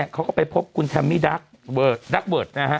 เขาก็ไปพบคุณแทมมี่ดักเบิร์ดนะฮะ